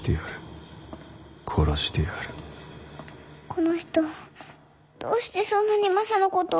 この人どうしてそんなにマサのことを。